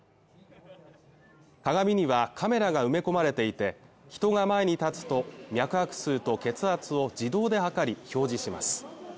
鏡にはカメラが埋め込まれていて人が前に立つと脈拍数と血圧を自動で測り表示します